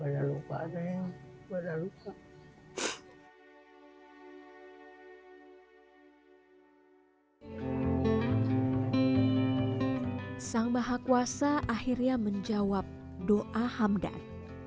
sang maha kuasa akhirnya menjawab doa hamdan